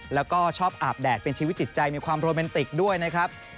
แล้วก็ชอบอาบแดดเป็นชีวิตจิตใจมีความโรแมนติกด้วยนะครับ